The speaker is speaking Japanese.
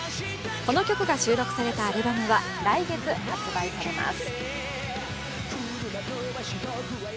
この曲が収録されたアルバムは来月、発売されます。